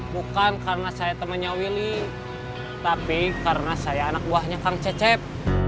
bukan karena saya temannya willy tapi karena saya anak buahnya kang cecep